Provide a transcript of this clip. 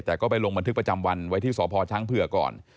แต่ก็ไปลงบันทึกประจำวันไว้ที่สพช้างเผื่อก่อน